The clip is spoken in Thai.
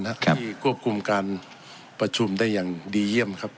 ที่ควบคุมการประชุมได้อย่างดีเยี่ยมครับ